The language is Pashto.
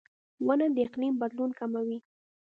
• ونه د اقلیم بدلون کموي.